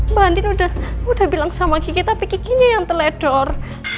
mbak andin udah bilang sama gigi tapi giginya yang teledor